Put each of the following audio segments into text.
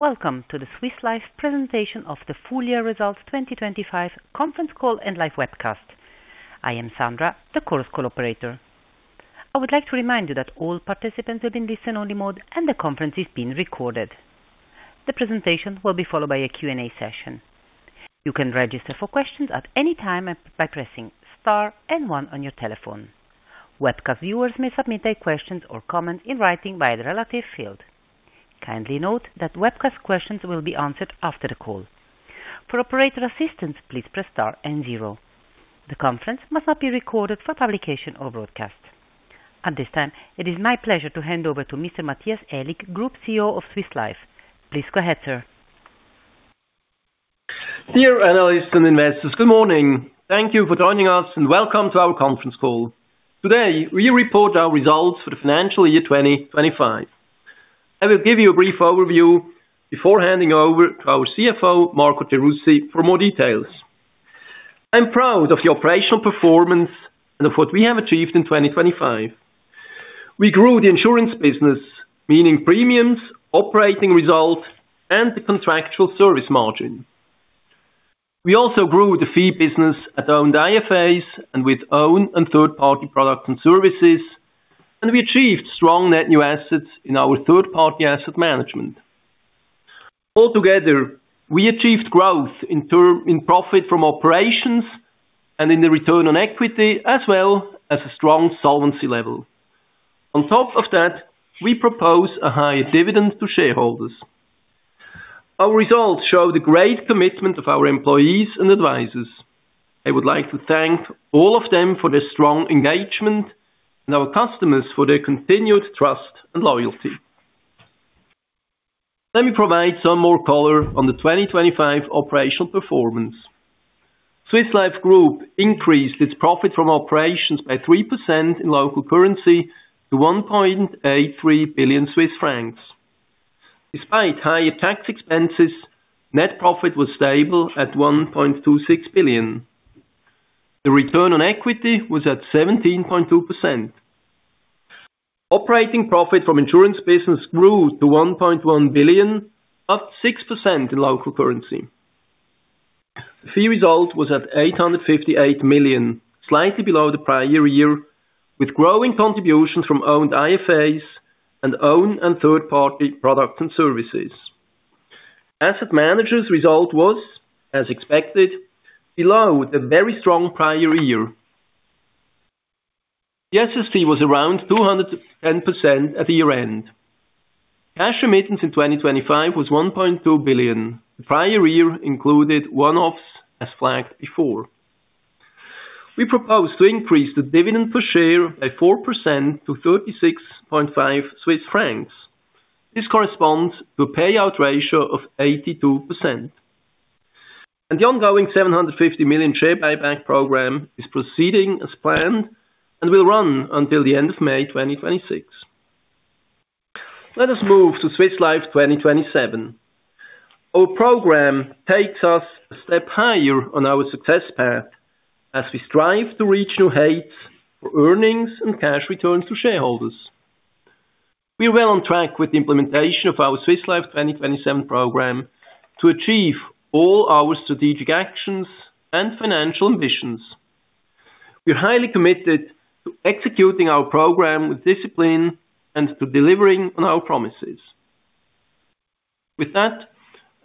Welcome to the Swiss Life presentation of the full year results 2025 conference call and live webcast. I am Sandra, the Chorus Call operator. I would like to remind you that all participants have been placed in listen-only mode and the conference is being recorded. The presentation will be followed by a Q&A session. You can register for questions at any time by pressing star and one on your telephone. Webcast viewers may submit their questions or comments in writing by the relevant field. Kindly note that webcast questions will be answered after the call. For operator assistance, please press star and zero. The conference must not be recorded for publication or broadcast. At this time, it is my pleasure to hand over to Mr. Matthias Aellig, Group CEO of Swiss Life. Please go ahead, sir. Dear analysts and investors, good morning. Thank you for joining us, and welcome to our conference call. Today we report our results for the financial year 2025. I will give you a brief overview before handing over to our CFO, Marco Gerussi, for more details. I'm proud of the operational performance and of what we have achieved in 2025. We grew the insurance business, meaning premiums, operating results, and the contractual service margin. We also grew the fee business at owned IFAs and with owned and third party products and services, and we achieved strong net new assets in our third party asset management. Altogether, we achieved growth in profit from operations and in the return on equity, as well as a strong solvency level. On top of that, we propose a higher dividend to shareholders. Our results show the great commitment of our employees and advisors. I would like to thank all of them for their strong engagement and our customers for their continued trust and loyalty. Let me provide some more color on the 2025 operational performance. Swiss Life Group increased its profit from operations by 3% in local currency to 1.83 billion Swiss francs. Despite higher tax expenses, net profit was stable at 1.26 billion. The return on equity was at 17.2%. Operating profit from insurance business grew to 1.1 billion, up 6% in local currency. Fee result was at 858 million, slightly below the prior year, with growing contributions from owned IFAs and own and third-party products and services. Asset managers result was, as expected, below the very strong prior year. The SST was around 210% at the year-end. Cash remittance in 2025 was 1.2 billion. The prior year included one-offs as flagged before. We propose to increase the dividend per share by 4% to 36.5 Swiss francs. This corresponds to a payout ratio of 82%. The ongoing 750 million share buyback program is proceeding as planned and will run until the end of May 2026. Let us move to Swiss Life 2027. Our program takes us a step higher on our success path as we strive to reach new heights for earnings and cash returns to shareholders. We are well on track with the implementation of our Swiss Life 2027 program to achieve all our strategic actions and financial ambitions. We are highly committed to executing our program with discipline and to delivering on our promises. With that,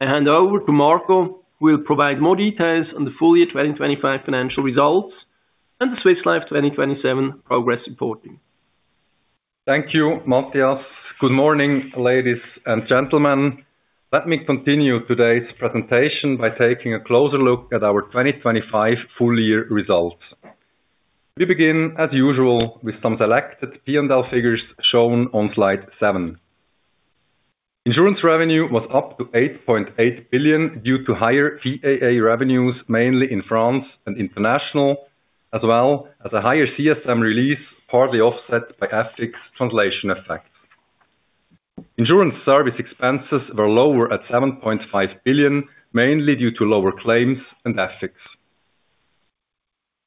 I hand over to Marco, who will provide more details on the full year 2025 financial results and the Swiss Life 2027 progress reporting. Thank you, Matthias. Good morning, ladies and gentlemen. Let me continue today's presentation by taking a closer look at our 2025 full year results. We begin, as usual, with some selected P&L figures shown on Slide 7. Insurance revenue was up to 8.8 billion due to higher EAA revenues, mainly in France and international, as well as a higher CSM release, partly offset by FX translation effects. Insurance service expenses were lower at 7.5 billion, mainly due to lower claims and FX.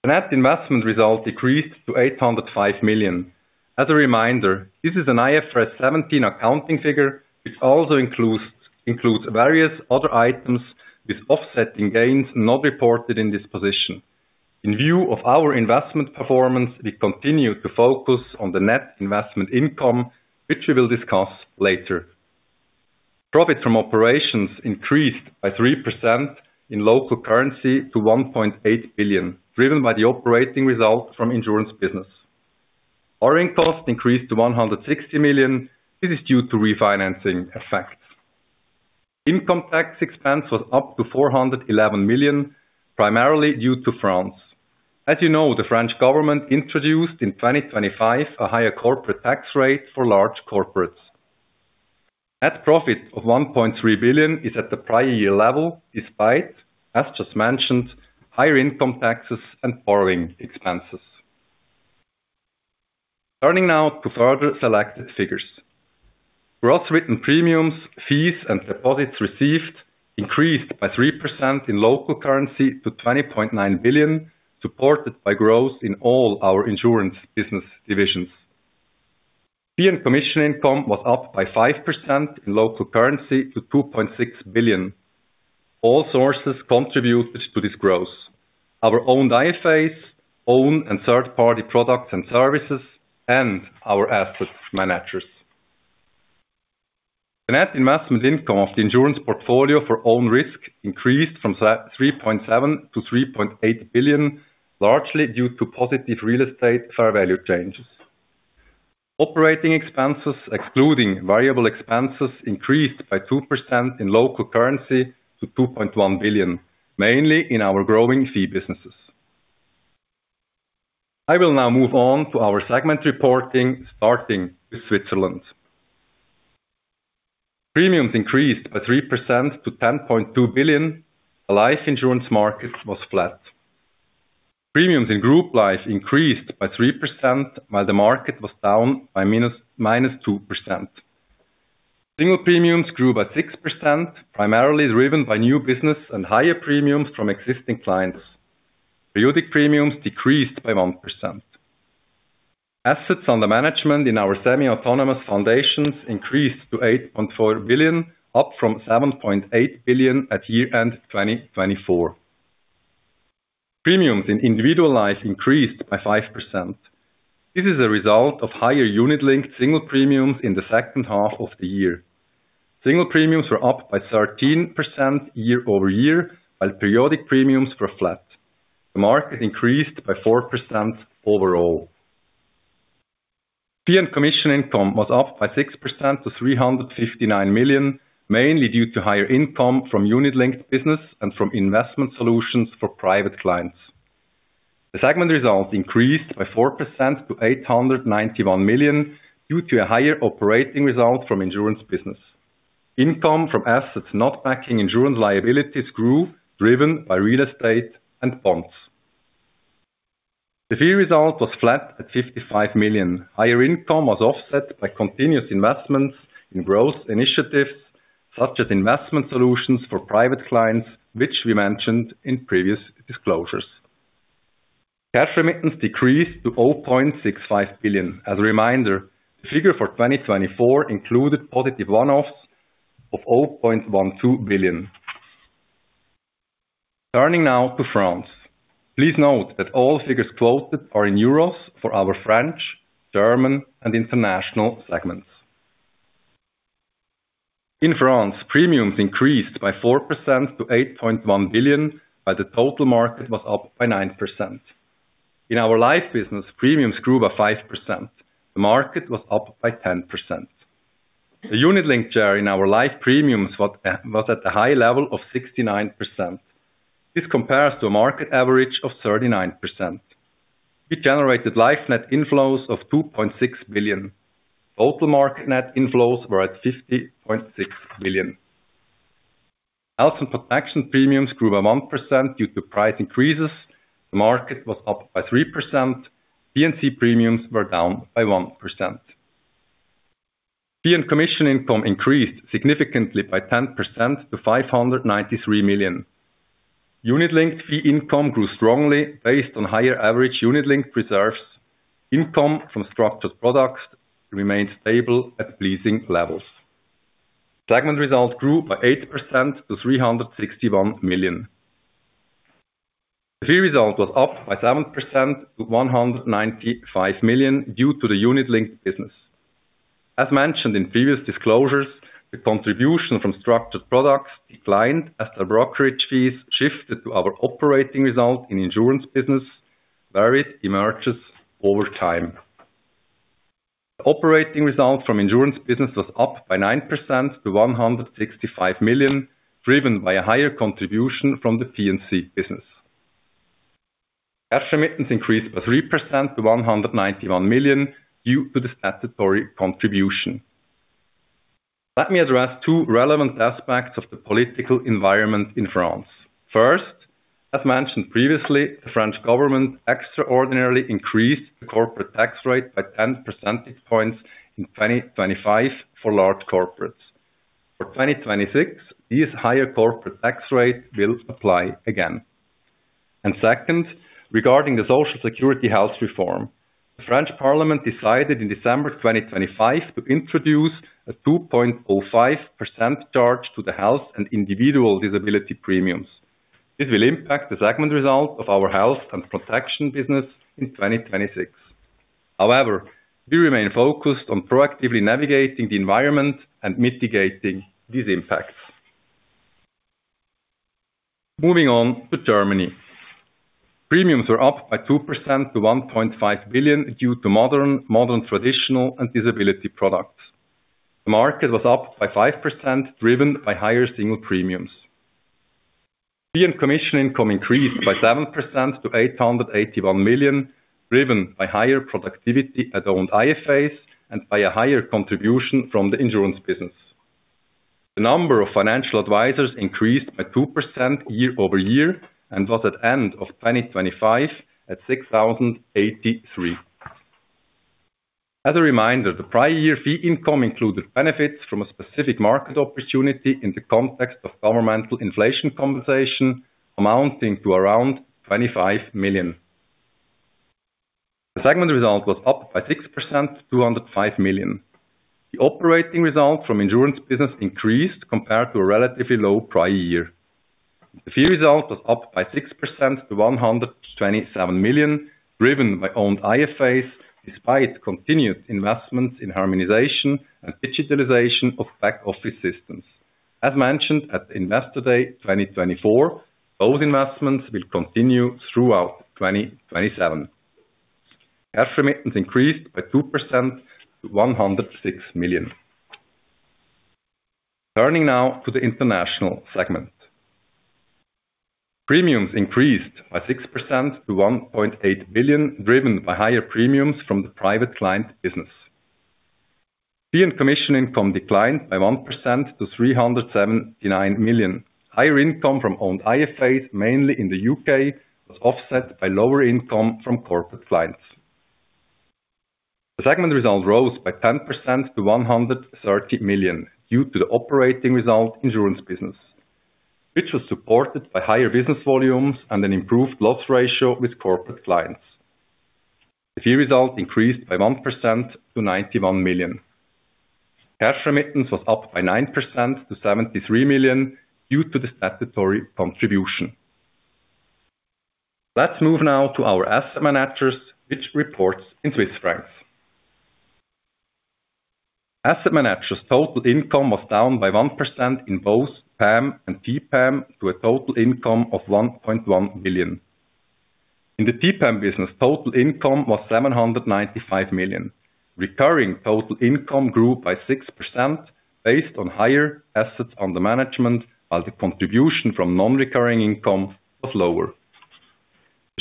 The net investment result decreased to 805 million. As a reminder, this is an IFRS 17 accounting figure, which also includes various other items with offsetting gains not reported in this position. In view of our investment performance, we continue to focus on the net investment income, which we will discuss later. Profit from operations increased by 3% in local currency to 1.8 billion, driven by the operating results from insurance business. Borrowing costs increased to 160 million. This is due to refinancing effects. Income tax expense was up to 411 million, primarily due to France. As you know, the French government introduced in 2025 a higher corporate tax rate for large corporates. Net profit of 1.3 billion is at the prior year level, despite, as just mentioned, higher income taxes and borrowing expenses. Turning now to further selected figures. Gross written premiums, fees and deposits received increased by 3% in local currency to 20.9 billion, supported by growth in all our insurance business divisions. Fee and commission income was up by 5% in local currency to 2.6 billion. All sources contributed to this growth. Our own IFAs, own and third-party products and services, and our asset managers. The net investment income of the insurance portfolio for own risk increased from 3.7 billion to 3.8 billion, largely due to positive real estate fair value changes. Operating expenses, excluding variable expenses, increased by 2% in local currency to 2.1 billion, mainly in our growing fee businesses. I will now move on to our segment reporting, starting with Switzerland. Premiums increased by 3% to 10.2 billion. The life insurance market was flat. Premiums in group life increased by 3% while the market was down by -2%. Single premiums grew by 6%, primarily driven by new business and higher premiums from existing clients. Periodic premiums decreased by 1%. Assets under management in our semi-autonomous foundations increased to 8.4 billion, up from 7.8 billion at year-end 2024. Premiums in individual life increased by 5%. This is a result of higher unit-linked single premiums in the second half of the year. Single premiums were up by 13% year-over-year, while periodic premiums were flat. The market increased by 4% overall. Fee and commission income was up by 6% to 359 million, mainly due to higher income from unit-linked business and from investment solutions for private clients. The segment results increased by 4% to 891 million due to a higher operating result from insurance business. Income from assets not backing insurance liabilities grew, driven by real estate and bonds. The fee result was flat at 55 million. Higher income was offset by continuous investments in growth initiatives such as investment solutions for private clients, which we mentioned in previous disclosures. Cash remittance decreased to 0.65 billion. As a reminder, the figure for 2024 included positive one-offs of 0.12 billion. Turning now to France. Please note that all figures quoted are in euros for our French, German, and international segments. In France, premiums increased by 4% to 8.1 billion while the total market was up by 9%. In our life business, premiums grew by 5%. The market was up by 10%. The unit-linked share in our life premiums was at the high level of 69%. This compares to a market average of 39%. We generated life net inflows of 2.6 billion. Total market net inflows were at 50.6 billion. Health and Protection premiums grew by 1% due to price increases. The market was up by 3%. P&C premiums were down by 1%. Fee and commission income increased significantly by 10% to 593 million. Unit-linked fee income grew strongly based on higher average unit-linked reserves. Income from structured products remained stable at pleasing levels. Segment results grew by 8% to 361 million. The fee result was up by 7% to 195 million due to the unit-linked business. As mentioned in previous disclosures, the contribution from structured products declined as the brokerage fees shifted to our operating result in insurance business where it emerges over time. Operating results from insurance business was up by 9% to 165 million, driven by a higher contribution from the P&C business. Cash remittance increased by 3% to 191 million due to the statutory contribution. Let me address two relevant aspects of the political environment in France. First, as mentioned previously, the French government extraordinarily increased the corporate tax rate by 10 percentage points in 2025 for large corporates. For 2026, this higher corporate tax rate will apply again. Second, regarding the Social Security health reform, the French parliament decided in December 2025 to introduce a 2.05% charge to the health and individual disability premiums. This will impact the segment result of our Health and Protection business in 2026. However, we remain focused on proactively navigating the environment and mitigating these impacts. Moving on to Germany. Premiums were up by 2% to 1.5 billion due to modern traditional and disability products. The market was up by 5%, driven by higher single premiums. Fee and commission income increased by 7% to 881 million, driven by higher productivity at owned IFAs and by a higher contribution from the insurance business. The number of financial advisors increased by 2% year-over-year and was at end of 2025 at 6,083. As a reminder, the prior year fee income included benefits from a specific market opportunity in the context of governmental inflation compensation amounting to around 25 million. The segment result was up by 6% to 205 million. The operating results from insurance business increased compared to a relatively low prior year. The fee result was up by 6% to 127 million, driven by owned IFAs, despite continued investments in harmonization and digitalization of back office systems. As mentioned at Investor Day 2024, those investments will continue throughout 2027. Cash remittance increased by 2% to 106 million. Turning now to the international segment. Premiums increased by 6% to 1.8 billion, driven by higher premiums from the private client business. Fee and commission income declined by 1% to 379 million. Higher income from owned IFAs, mainly in the U.K., was offset by lower income from corporate clients. The segment results rose by 10% to 130 million due to the operating result insurance business, which was supported by higher business volumes and an improved loss ratio with corporate clients. The fee result increased by 1% to 91 million. Cash remittance was up by 9% to 73 million due to the statutory contribution. Let's move now to our asset managers which reports in Swiss francs. Asset managers total income was down by 1% in both PAM and TPAM to a total income of 1.1 billion. In the TPAM business, total income was 795 million. Recurring total income grew by 6% based on higher assets under management while the contribution from non-recurring income was lower.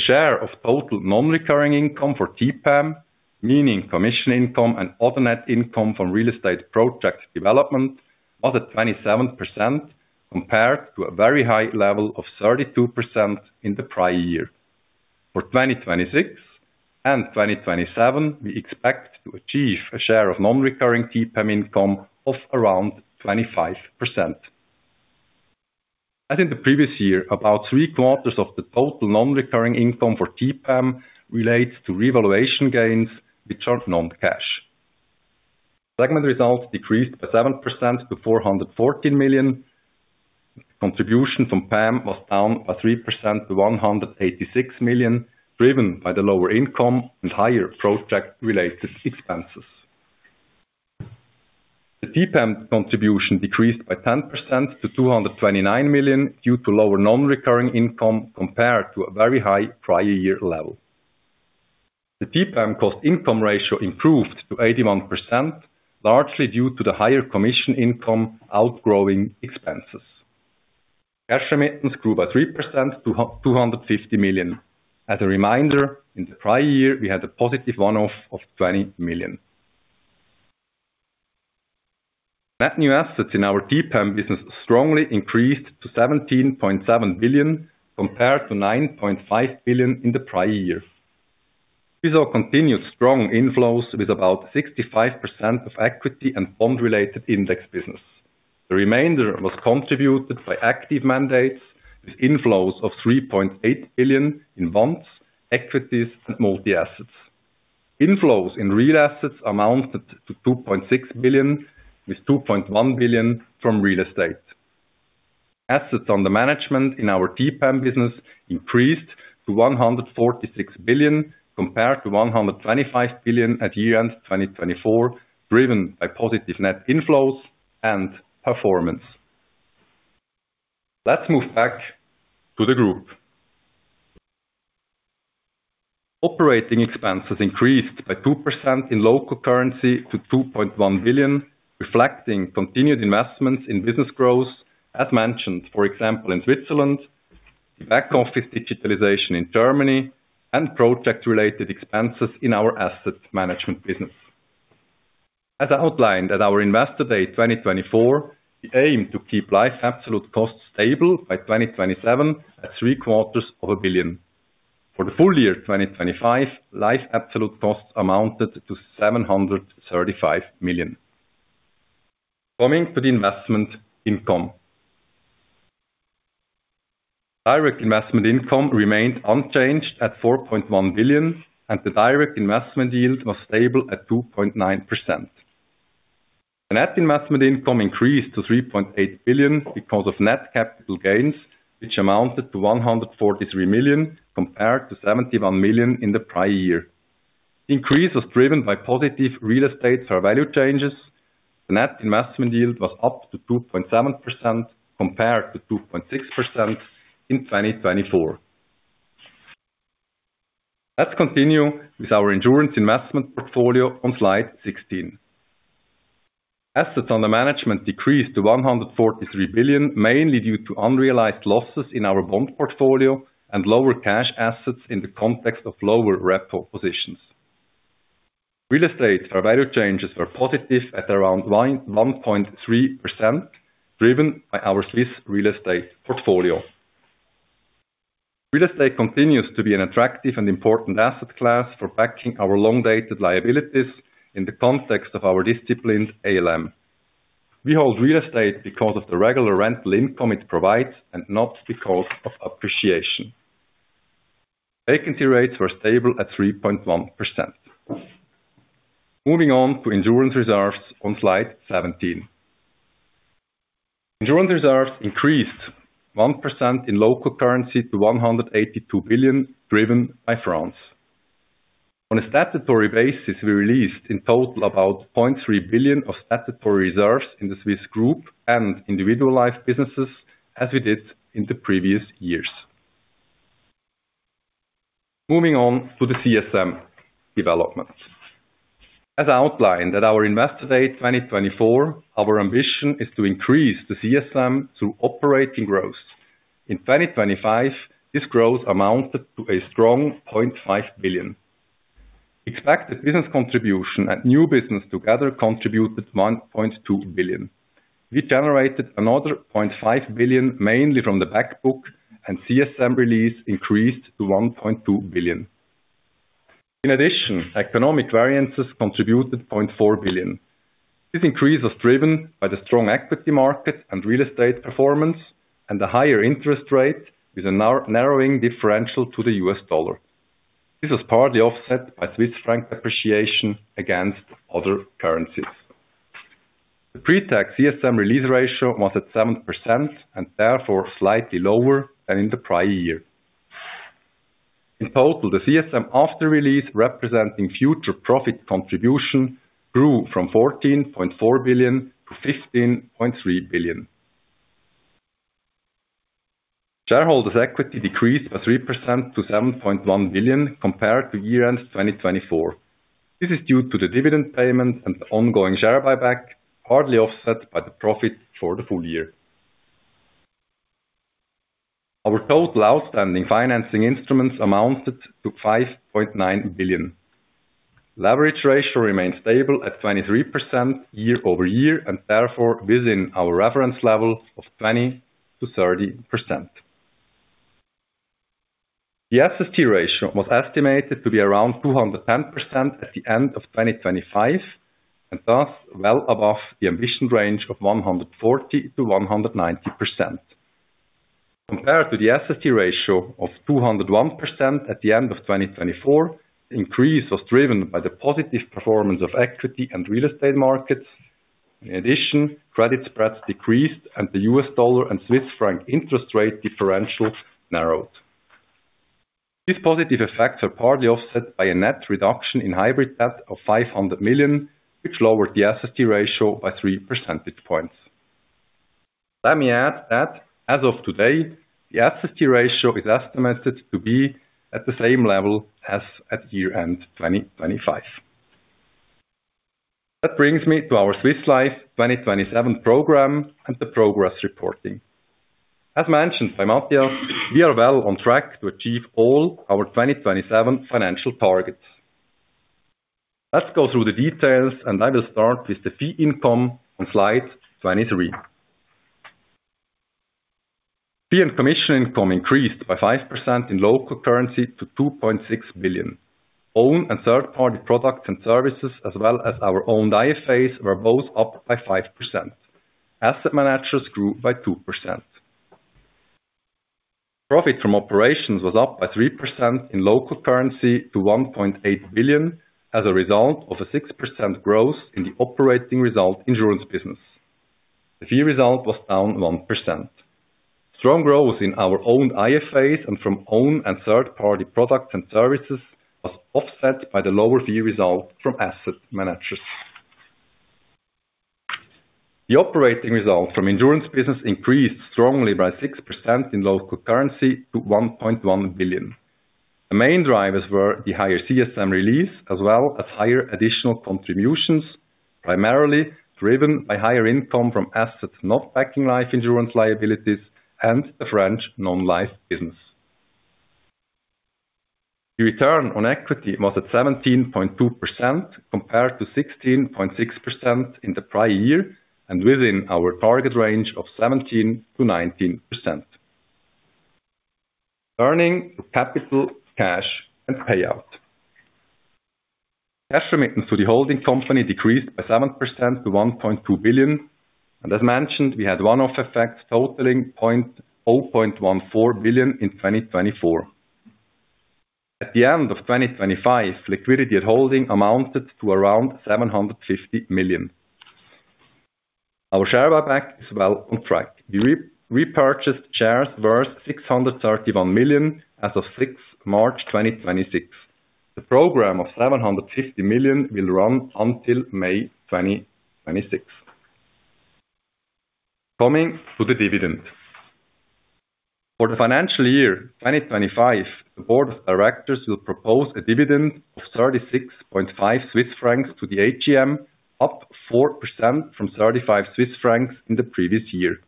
Share of total non-recurring income for TPAM, meaning commission income and other net income from real estate projects development was at 27% compared to a very high level of 32% in the prior year. For 2026 and 2027, we expect to achieve a share of non-recurring TPAM income of around 25%. As in the previous year, about three quarters of the total non-recurring income for TPAM relates to revaluation gains, which are non-cash. Segment results decreased by 7% to 414 million. Contribution from PAM was down by 3% to 186 million, driven by the lower income and higher project related expenses. The TPAM contribution decreased by 10% to 229 million due to lower non-recurring income compared to a very high prior year level. The TPAM cost-income ratio improved to 81%, largely due to the higher commission income outgrowing expenses. Cash remittance grew by 3% to 250 million. As a reminder, in the prior year, we had a positive one-off of 20 million. Net new assets in our TPAM business strongly increased to 17.7 billion compared to 9.5 billion in the prior year. We saw continued strong inflows with about 65% of equity and bond related index business. The remainder was contributed by active mandates with inflows of 3 billion in bonds, equities, and multi-assets. Inflows in real assets amounted to 2.6 billion, with 2.1 billion from real estate. Assets under management in our TPAM business increased to 146 billion, compared to 125 billion at year-end 2024, driven by positive net inflows and performance. Let's move back to the group. Operating expenses increased by 2% in local currency to 2.1 billion, reflecting continued investments in business growth as mentioned, for example, in Switzerland, the back office digitalization in Germany, and project related expenses in our asset management business. As outlined at our Investor Day 2024, we aim to keep life absolute costs stable by 2027 at 750 million. For the full year 2025, life absolute costs amounted to 735 million. Coming to the investment income. Direct investment income remained unchanged at 4.1 billion, and the direct investment yield was stable at 2.9%. The net investment income increased to 3.8 billion because of net capital gains, which amounted to 143 million compared to 71 million in the prior year. Increase was driven by positive real estate fair value changes. The net investment yield was up to 2.7% compared to 2.6% in 2024. Let's continue with our insurance investment portfolio on Slide 16. Assets under management decreased to 143 billion, mainly due to unrealized losses in our bond portfolio and lower cash assets in the context of lower repo positions. Real estate fair value changes were positive at around 1.3%, driven by our Swiss real estate portfolio. Real estate continues to be an attractive and important asset class for backing our long-dated liabilities in the context of our disciplined ALM. We hold real estate because of the regular rental income it provides, and not because of appreciation. Vacancy rates were stable at 3.1%. Moving on to insurance reserves on Slide 17. Insurance reserves increased 1% in local currency to 182 billion driven by France. On a statutory basis, we released in total about 0.3 billion of statutory reserves in the Swiss group and individualized businesses, as we did in the previous years. Moving on to the CSM developments. As outlined at our Investor Day 2024, our ambition is to increase the CSM through operating growth. In 2025, this growth amounted to a strong 0.5 billion. Expected business contribution and new business together contributed 1.2 billion. We generated another 0.5 billion, mainly from the back book, and CSM release increased to 1.2 billion. In addition, economic variances contributed 0.4 billion. This increase was driven by the strong equity market and real estate performance and the higher interest rate with a narrowing differential to the US dollar. This was partly offset by Swiss franc appreciation against other currencies. The pre-tax CSM release ratio was at 7% and therefore slightly lower than in the prior year. In total, the CSM after release representing future profit contribution grew from 14.4 billion to 15.3 billion. Shareholders equity decreased by 3% to 7.1 billion compared to year-end 2024. This is due to the dividend payment and the ongoing share buyback, partly offset by the profit for the full year. Our total outstanding financing instruments amounted to 5.9 billion. Leverage ratio remains stable at 23% year-over-year, and therefore within our reference level of 20%-30%. The SST ratio was estimated to be around 210% at the end of 2025, and thus well above the ambition range of 140%-190%. Compared to the SST ratio of 201% at the end of 2024, the increase was driven by the positive performance of equity and real estate markets. In addition, credit spreads decreased and the US dollar and Swiss franc interest rate differential narrowed. These positive effects are partly offset by a net reduction in hybrid debt of 500 million, which lowered the SST ratio by 3 percentage points. Let me add that as of today, the SST ratio is estimated to be at the same level as at year-end 2025. That brings me to our Swiss Life 2027 program and the progress reporting. As mentioned by Matthias, we are well on track to achieve all our 2027 financial targets. Let's go through the details, and I will start with the fee income on Slide 23. Fee and commission income increased by 5% in local currency to 2.6 billion. Own and third-party products and services, as well as our own IFAs, were both up by 5%. Asset managers grew by 2%. Profit from operations was up by 3% in local currency to 1.8 billion as a result of a 6% growth in the operating result insurance business. The fee result was down 1%. Strong growth in our own IFAs and from own and third-party products and services was offset by the lower fee result from asset managers. The operating result from insurance business increased strongly by 6% in local currency to 1.1 billion. The main drivers were the higher CSM release as well as higher additional contributions, primarily driven by higher income from assets not backing life insurance liabilities and the French non-life business. The return on equity was at 17.2% compared to 16.6% in the prior year and within our target range of 17%-19%. Earnings, capital, cash and payout. Cash remittance to the holding company decreased by 7% to 1.2 billion, and as mentioned, we had one-off effects totaling 0.14 billion in 2024. At the end of 2025, liquidity at holding amounted to around 750 million. Our share buyback is well on track. We repurchased shares worth 631 million as of 6th March 2026. The program of 750 million will run until May 2026. Coming to the dividend. For the financial year 2025, the board of directors will propose a dividend of 36.5 Swiss francs to the AGM, up 4% from 35 Swiss francs in the previous year.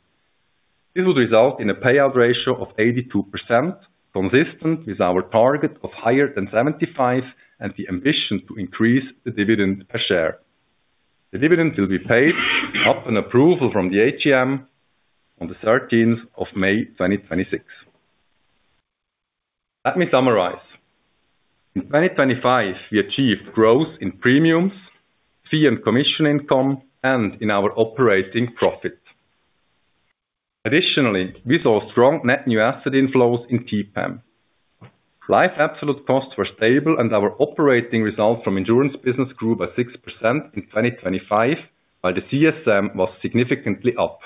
This will result in a payout ratio of 82%, consistent with our target of higher than 75% and the ambition to increase the dividend per share. The dividend will be paid upon approval from the AGM on the 13th of May 2026. Let me summarize. In 2025, we achieved growth in premiums, fee and commission income, and in our operating profit. Additionally, we saw strong net new asset inflows in TPAM. Life absolute costs were stable and our operating results from insurance business grew by 6% in 2025, while the CSM was significantly up.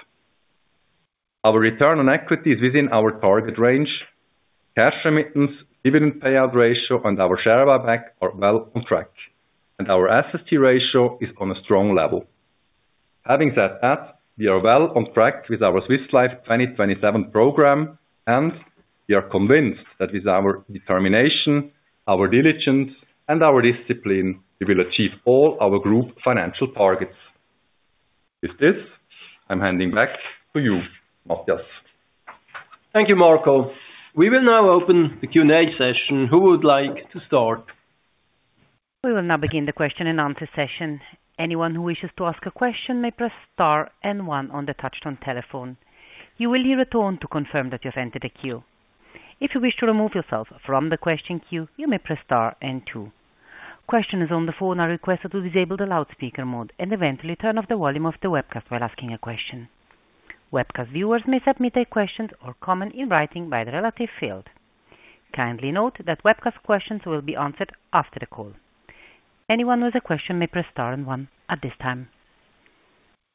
Our return on equity is within our target range. Cash remittance, dividend payout ratio, and our share buyback are well on track, and our SST ratio is on a strong level. Having said that, we are well on track with our Swiss Life 2027 program, and we are convinced that with our determination, our diligence, and our discipline, we will achieve all our group financial targets. With this, I'm handing back to you, Matthias. Thank you, Marco. We will now open the Q&A session. Who would like to start? We will now begin the question and answer session. Anyone who wishes to ask a question may press star and one on the touch-tone telephone. You will hear a tone to confirm that you have entered a queue. If you wish to remove yourself from the question queue, you may press star and two. Questioners on the phone are requested to disable the loudspeaker mode and eventually turn off the volume of the webcast while asking a question. Webcast viewers may submit a question or comment in writing by the relevant field. Kindly note that webcast questions will be answered after the call. Anyone with a question may press star and one at this time.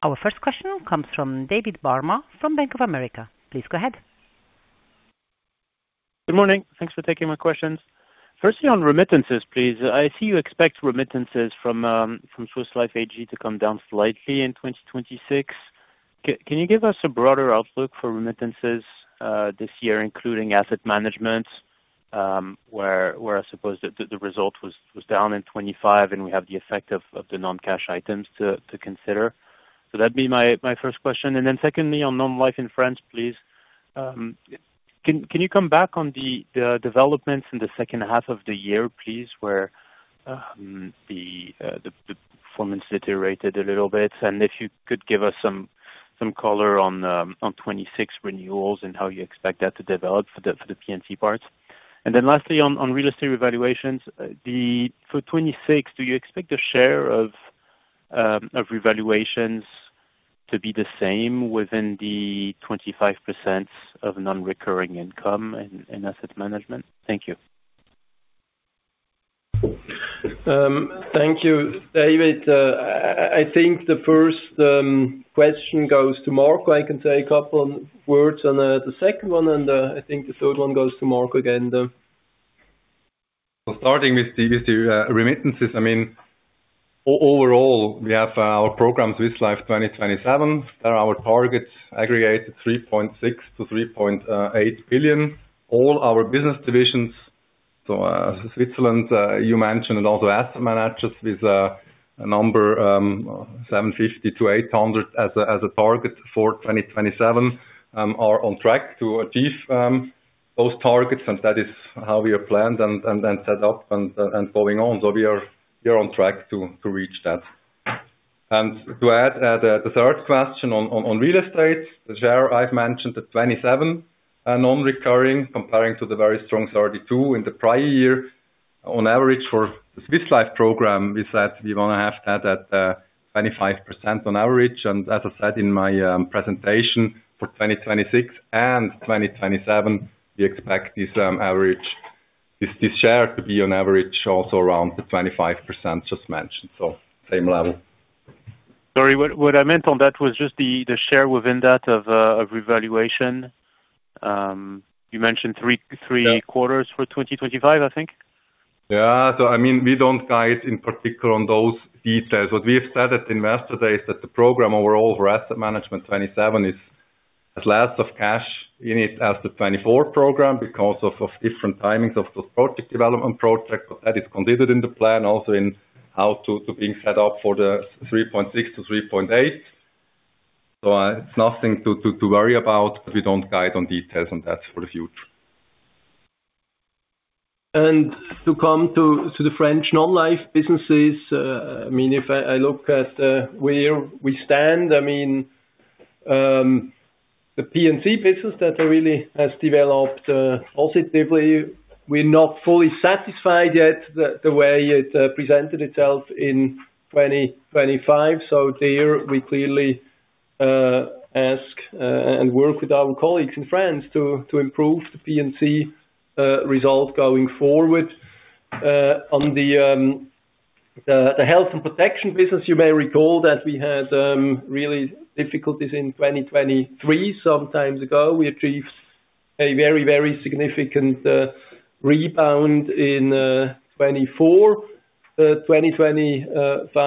Our first question comes from David Barma from Bank of America. Please go ahead. Good morning. Thanks for taking my questions. Firstly, on remittances, please. I see you expect remittances from Swiss Life AG to come down slightly in 2026. Can you give us a broader outlook for remittances this year, including asset management, where I suppose the result was down in 2025 and we have the effect of the non-cash items to consider? So that'd be my first question. Then secondly, on non-life in France, please. Can you come back on the developments in the second half of the year, please, where the performance deteriorated a little bit? If you could give us some color on 2026 renewals and how you expect that to develop for the P&C parts. Lastly on real estate revaluations, for 2026, do you expect the share of revaluations to be the same within the 25% of non-recurring income in asset management? Thank you. Thank you, David. I think the first question goes to Marco. I can say a couple words on the second one, and I think the third one goes to Marco again, though. Starting with the remittances. I mean, overall we have our program Swiss Life 2027. There are our targets aggregated 3.6 billion-3.8 billion. All our business divisions, Switzerland, you mentioned and also asset managers with a number 750-800 as a target for 2027, are on track to achieve those targets and that is how we are planned and set up and following on. We are on track to reach that. To add, the third question on real estate, the share I've mentioned at 27% are non-recurring compared to the very strong 32% in the prior year. On average for the Swiss Life program, we said we want to have that at 25% on average. As I said in my presentation for 2026 and 2027, we expect this average, this share to be on average also around the 25% just mentioned. Same level. Sorry, what I meant on that was just the share within that of revaluation. You mentioned three quarters for 2025, I think. I mean, we don't guide in particular on those details. What we have said at Investor Day is that the Swiss Life 2027 program overall is less cash in it as the 2024 program because of different timings of those project development projects. But that is considered in the plan also in how it's being set up for the 3.6-3.8. It's nothing to worry about, but we don't guide on details on that for the future. To come to the French non-life businesses, I mean, if I look at where we stand, I mean, the P&C business that really has developed positively. We're not fully satisfied yet the way it presented itself in 2025. There we clearly ask and work with our colleagues and friends to improve the P&C result going forward. On the Health and Protection business, you may recall that we had real difficulties in 2023 some time ago. We achieved a very significant rebound in 2024. 2025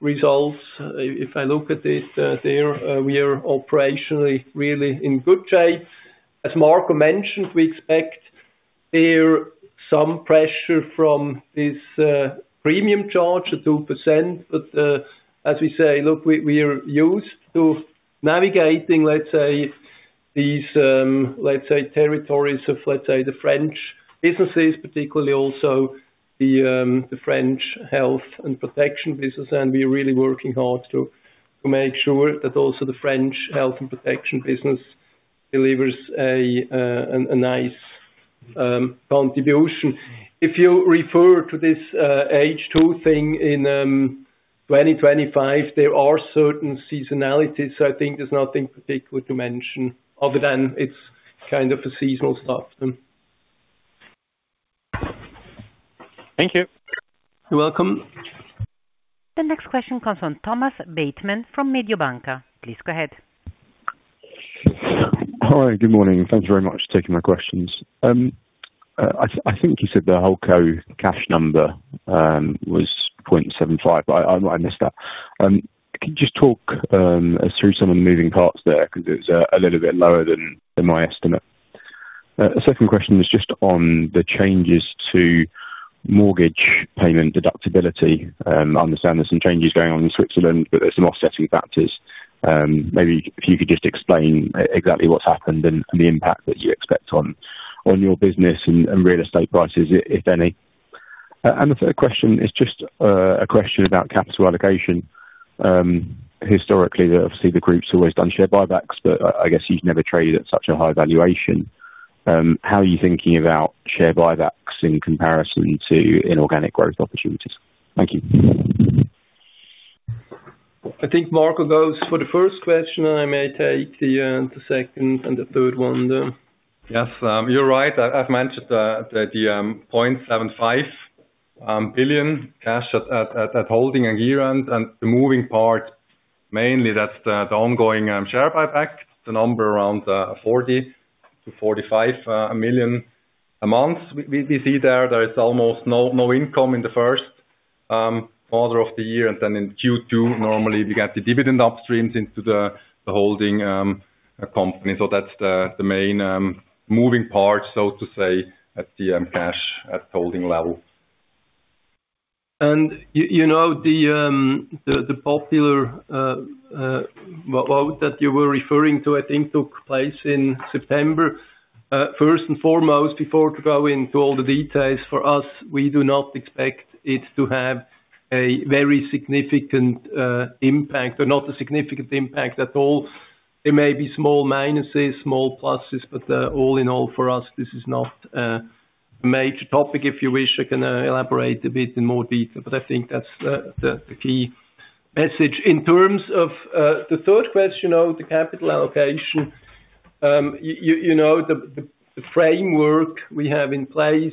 results, if I look at it, there we are operationally really in good shape. As Marco mentioned, we expect there some pressure from this premium charge of 2%. As we say, look, we are used to navigating, let's say, these, let's say, territories of, let's say, the French businesses particularly also the French Health and Protection business, and we're really working hard to make sure that also the French Health and Protection business delivers a nice contribution. If you refer to this H2 thing in 2025, there are certain seasonalities. I think there's nothing particular to mention other than it's kind of a seasonal stuff then. Thank you. You're welcome. The next question comes from Thomas Bateman from Mediobanca. Please go ahead. Hi, good morning. Thank you very much for taking my questions. I think you said the whole cash number was 0.75. I missed that. Could you just talk through some of the moving parts there because it's a little bit lower than my estimate. The second question is just on the changes to mortgage interest deductibility. I understand there's some changes going on in Switzerland, but there's some offsetting factors. Maybe if you could just explain exactly what's happened and the impact that you expect on your business and real estate prices if any. The third question is just a question about capital allocation. Historically, obviously the group's always done share buybacks, but I guess you've never traded at such a high valuation. How are you thinking about share buybacks in comparison to inorganic growth opportunities? Thank you. I think Marco goes for the first question, and I may take the second and the third one. Yes. You're right. I've mentioned the 0.75 billion cash at holding at year-end, and the moving part, mainly that's the ongoing share buyback. The number around 40 million-45 million a month. We see there is almost no income in the first quarter of the year. In Q2, normally we get the dividend upstreams into the holding company. That's the main moving part, so to say, at the cash at holding level. You know, the popular vote that you were referring to, I think took place in September. First and foremost, before to go into all the details for us, we do not expect it to have a very significant impact or not a significant impact at all. There may be small minuses, small pluses, but all in all, for us, this is not a major topic. If you wish, I can elaborate a bit in more detail, but I think that's the key message. In terms of the third question on the capital allocation, you know, the framework we have in place,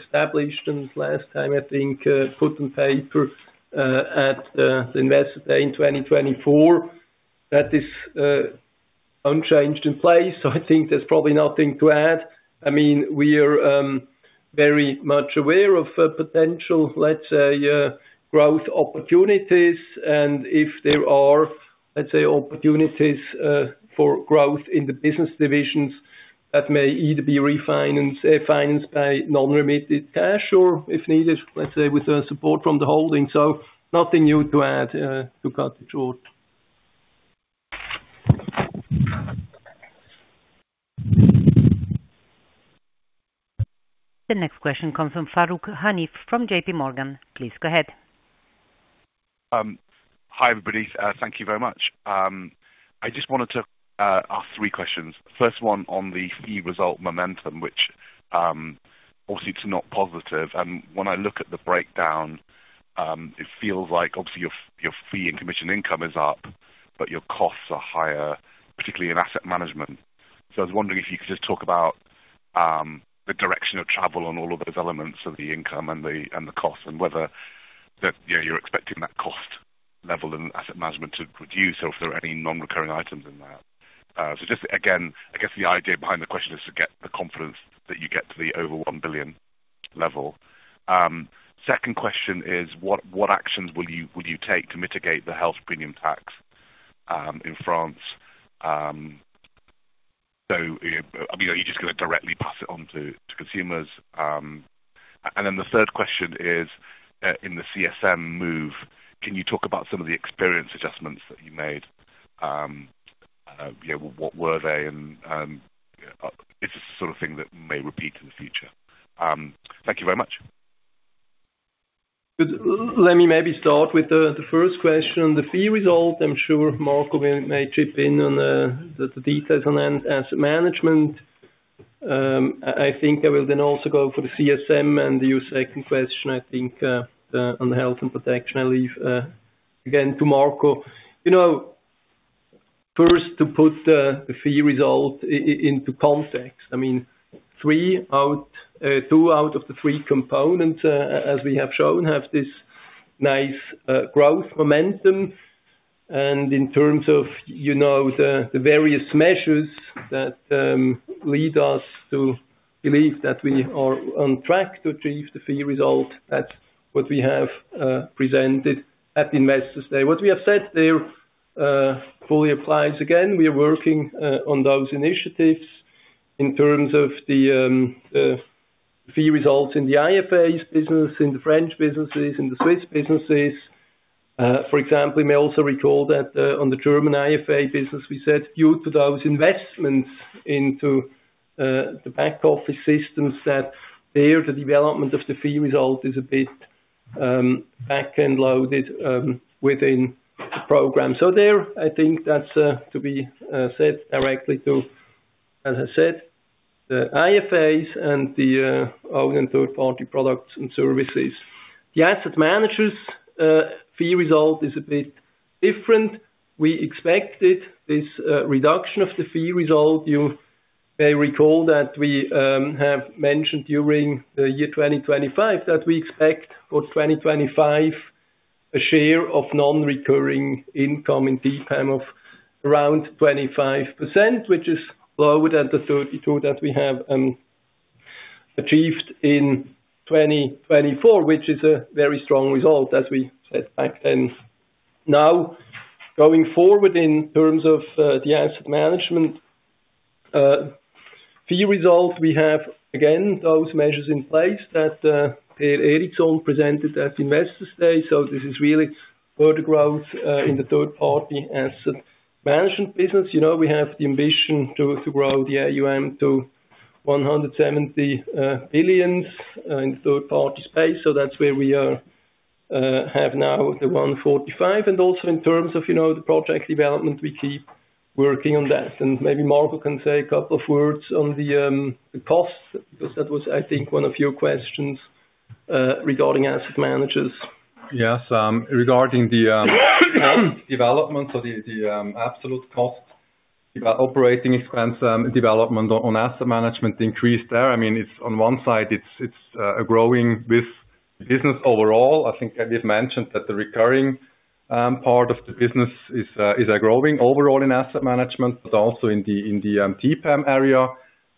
established, and last time, I think, put on paper at Investor Day 2024, that is unchanged in place. I think there's probably nothing to add. I mean, we are very much aware of the potential, let's say, growth opportunities. If there are, let's say, opportunities for growth in the business divisions, that may either be refinanced, financed by non-remitted cash or if needed, let's say, with the support from the holding. Nothing new to add, to cut it short. The next question comes from Farooq Hanif from JPMorgan. Please go ahead. Hi, everybody. Thank you very much. I just wanted to ask three questions. First one on the fee result momentum, which obviously it's not positive. When I look at the breakdown, it feels like obviously your fee and commission income is up, but your costs are higher, particularly in asset management. I was wondering if you could just talk about the direction of travel on all of those elements of the income and the cost and whether that, you know, you're expecting that cost level in asset management to reduce or if there are any non-recurring items in there. Just again, I guess the idea behind the question is to get the confidence that you get to the over 1 billion level. Second question is what actions will you take to mitigate the health premium tax in France? You know, I mean, are you just gonna directly pass it on to consumers? The third question is, in the CSM move, can you talk about some of the experience adjustments that you made? You know, what were they and is this the sort of thing that may repeat in the future? Thank you very much. Good. Let me maybe start with the first question, the fee result. I'm sure Marco may chip in on the details on asset management. I think I will then also go for the CSM and your second question, I think, on the Health and Protection, I leave again to Marco. You know, first to put the fee result into context, I mean, two out of the three components, as we have shown, have this nice growth momentum. In terms of, you know, the various measures that lead us to believe that we are on track to achieve the fee result, that's what we have presented at the Investor Day. What we have said there fully applies again. We are working on those initiatives in terms of the fee results in the IFAs business, in the French businesses, in the Swiss businesses. For example, you may also recall that on the German IFA business, we said due to those investments into the back office systems that the development of the fee result is a bit back-end loaded within the program. There, I think that's to be set directly to, as I said, the IFAs and the own and third-party products and services. The asset managers fee result is a bit different. We expected this reduction of the fee result. You may recall that we have mentioned during the year 2025 that we expect for 2025 a share of non-recurring income in TPAM of around 25%, which is lower than the 32% that we have achieved in 2024, which is a very strong result, as we said back then. Now, going forward in terms of the asset management fee result, we have again those measures in place that Per Erikson presented at Investor Day. This is really further growth in the third party asset management business. You know, we have the ambition to grow the AUM to 170 billion in third party space. That's where we are, have now the 145 billion. Also in terms of, you know, the project development, we keep working on that. Maybe Marco can say a couple of words on the costs, because that was, I think, one of your questions, regarding asset managers. Yes. Regarding the development of the absolute cost, operating expense and development on asset management increased there. I mean, it's on one side, it's growing with business overall. I think it is mentioned that the recurring part of the business is growing overall in asset management, but also in the TPAM area.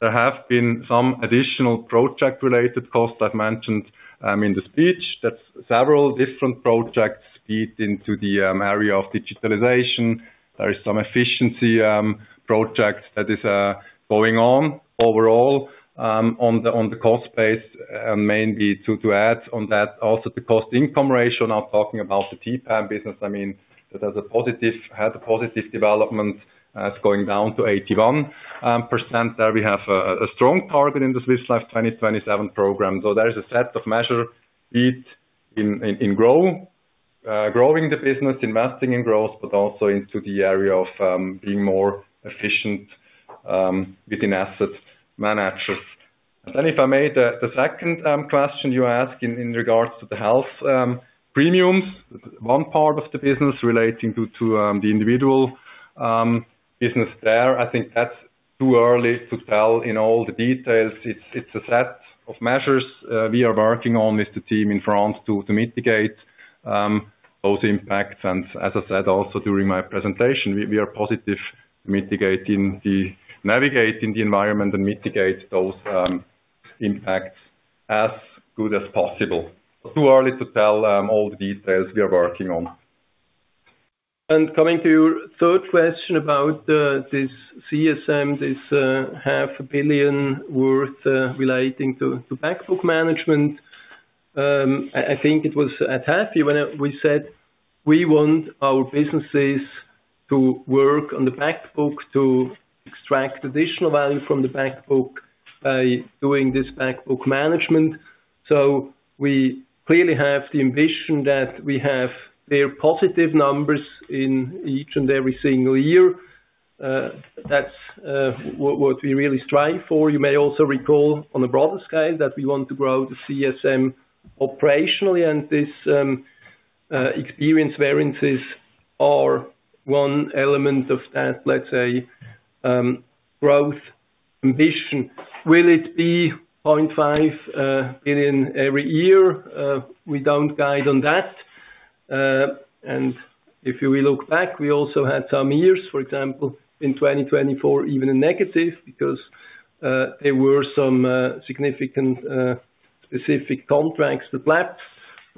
There have been some additional project-related costs I've mentioned in the speech. That several different projects feed into the area of digitalization. There is some efficiency project that is going on overall on the cost base, mainly to add on that also the cost-income ratio. Now talking about the TPAM business, I mean, that had a positive development as going down to 81%. There we have a strong target in the Swiss Life 2027 program. There is a set of measures feeding into growing the business, investing in growth, but also into the area of being more efficient within asset management. If I may, the second question you ask in regards to the health premiums. One part of the business relating to the individual business there. I think that's too early to tell in all the details. It's a set of measures we are working on with the team in France to mitigate those impacts. As I said, also during my presentation, we are navigating the environment and mitigate those impacts as good as possible. Too early to tell, all the details we are working on. Coming to your third question about this CSM, this 500 million worth relating to back book management. I think it was at half year when we said we want our businesses to work on the back book to extract additional value from the back book by doing this back book management. We clearly have the ambition that we have their positive numbers in each and every single year. That's what we really strive for. You may also recall on a broader scale that we want to grow the CSM operationally, and this experience variances are one element of that, let's say, growth ambition. Will it be 0.5 billion every year? We don't guide on that. If we look back, we also had some years, for example, in 2024, even a negative because there were some significant specific contracts that lapsed.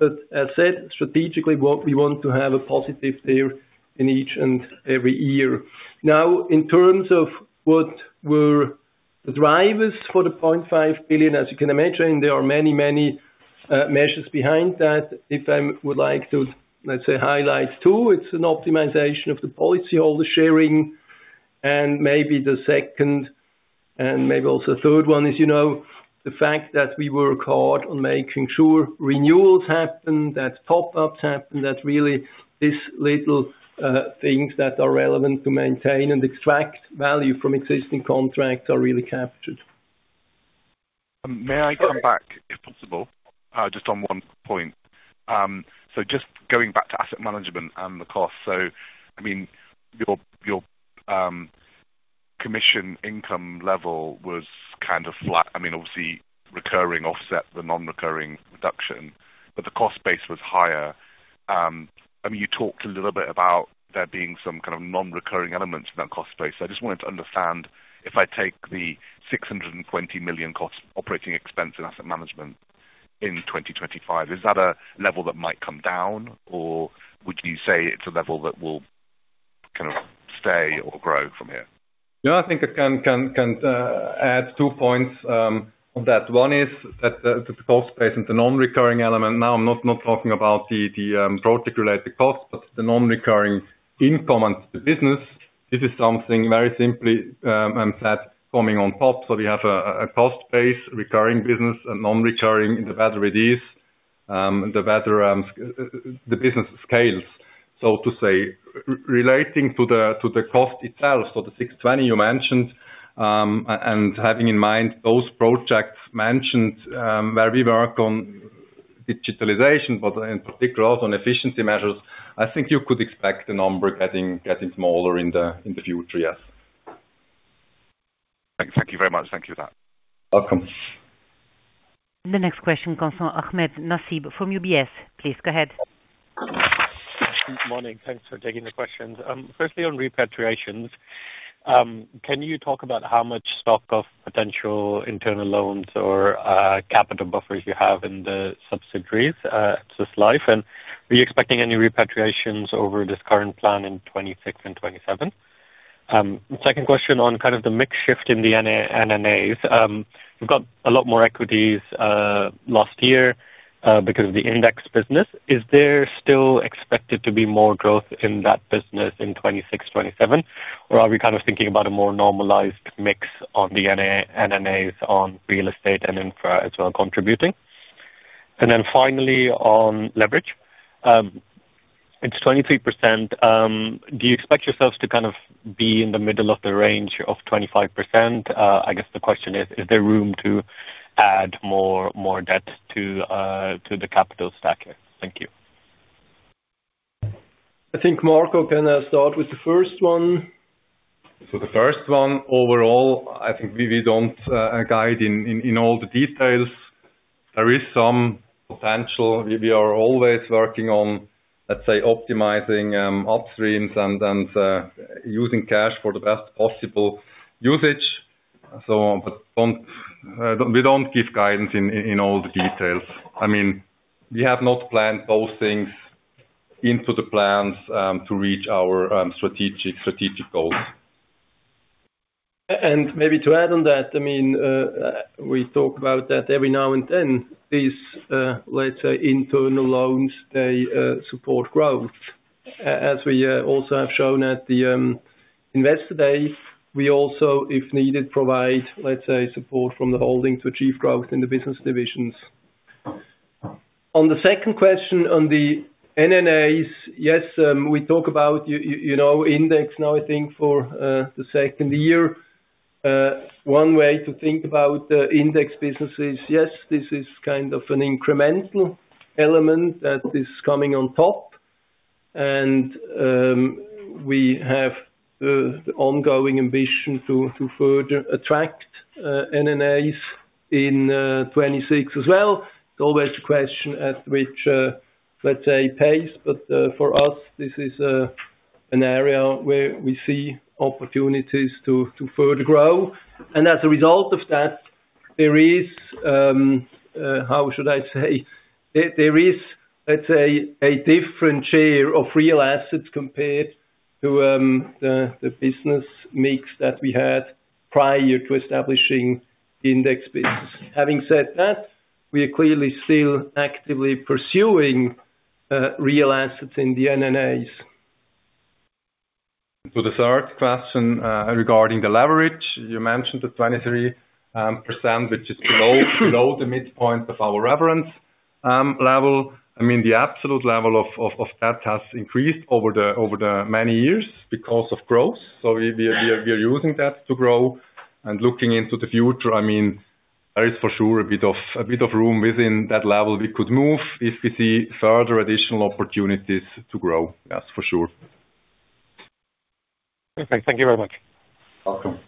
As said, strategically, what we want to have a positive there in each and every year. Now, in terms of what were the drivers for the 0.5 billion, as you can imagine, there are many, many measures behind that. If I would like to, let's say, highlight two, it's an optimization of the policyholder sharing, and maybe the second and maybe also third one is, you know, the fact that we work hard on making sure renewals happen, that top-ups happen, that really these little things that are relevant to maintain and extract value from existing contracts are really captured. May I come back, if possible, just on one point? Just going back to asset management and the cost. I mean, your commission income level was kind of flat. I mean, obviously recurring offset the non-recurring reduction, but the cost base was higher. I mean, you talked a little bit about there being some kind of non-recurring elements in that cost base. Just wanted to understand if I take the 620 million cost operating expense in asset management in 2025, is that a level that might come down? Or would you say it's a level that will kind of stay or grow from here? Yeah, I think I can add two points on that. One is that the cost base and the non-recurring element. Now, I'm not talking about the project related costs, but the non-recurring income into the business. This is something very simply that's coming on top. So we have a cost base recurring business and non-recurring in the value release. The better the business scales, so to say. Relating to the cost itself, so the 620 you mentioned, and having in mind those projects mentioned, where we work on digitalization, but in particular on efficiency measures, I think you could expect the number getting smaller in the future, yes. Thank you very much. Thank you for that. Welcome. The next question comes from Ahmed Saib from UBS. Please go ahead. Good morning. Thanks for taking the questions. Firstly on repatriations, can you talk about how much stock of potential internal loans or, capital buffers you have in the subsidiaries, Swiss Life? And were you expecting any repatriations over this current plan in 2026 and 2027? Second question on kind of the mix shift in the NNA. We've got a lot more equities, last year, because of the index business. Is there still expected to be more growth in that business in 2026, 2027? Or are we kind of thinking about a more normalized mix on the NNA on real estate and infra as well contributing? And then finally on leverage. It's 23%, do you expect yourselves to kind of be in the middle of the range of 25%? I guess the question is there room to add more debt to the capital stack? Thank you. I think Marco can start with the first one. The first one, overall, I think we don't guide in all the details. There is some potential. We are always working on, let's say, optimizing upstreams and using cash for the best possible usage. We don't give guidance in all the details. I mean, we have not planned those things into the plans to reach our strategic goals. Maybe to add on that, I mean, we talk about that every now and then, these, let's say, internal loans, they support growth. As we also have shown at the Investor Day, we also, if needed, provide, let's say, support from the holding to achieve growth in the business divisions. On the second question on the NNA, yes, we talk about you know, index now, I think, for the second year. One way to think about the index business is, yes, this is kind of an incremental element that is coming on top. We have the ongoing ambition to further attract NNA in 2026 as well. It's always a question at which, let's say, pace. For us, this is an area where we see opportunities to further grow. As a result of that, there is, let's say, a different share of real assets compared to the business mix that we had prior to establishing the index business. Having said that, we are clearly still actively pursuing real assets in the NNA. To the third question, regarding the leverage. You mentioned the 23%, which is below the midpoint of our reference level. I mean, the absolute level of debt has increased over the many years because of growth. We are using debt to grow. Looking into the future, I mean, there is for sure a bit of room within that level we could move if we see further additional opportunities to grow. Yes, for sure. Okay. Thank you very much. Welcome.